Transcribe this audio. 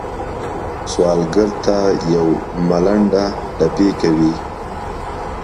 سوالګر ته یو ملنډه ټپي کوي